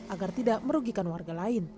agar tidak merugikan warga lain